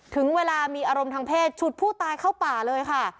ถึงเวลามีอารมณ์ทางเพศฉุดผู้ตายเข้าป่าเลยค่ะ